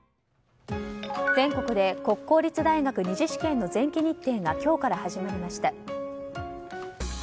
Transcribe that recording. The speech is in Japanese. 全国で国公立大学２次試験の前期日程が今日から始まりました。